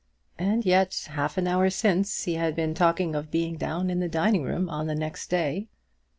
And yet half an hour since he had been talking of being down in the dining room on the next day.